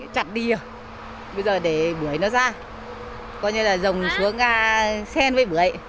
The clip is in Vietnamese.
chặt đi bây giờ để bưởi nó ra coi như là rồng xuống sen với bưởi